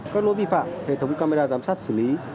các lỗi vi phạm hệ thống camera giám sát xử lý